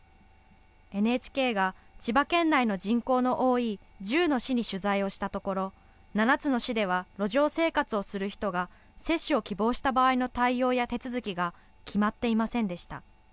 ＮＨＫが千葉県内の人口の多い１０の市に取材をしたところ、７つの市では路上生活をする人が接種を希望した場合の対応や手続きが決まっていませんでした。